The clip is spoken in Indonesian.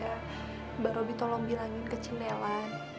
ya mbak robby tolong bilangin ke cimelan